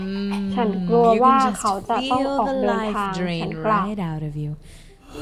ฉันกลัวว่าเขาจะต้องออกเดินทาง ฉันกล่าว